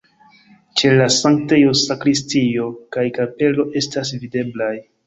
Ĉe la sanktejo sakristio kaj kapelo estas videblaj.